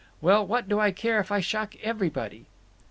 Well, what do I care if I shock everybody!"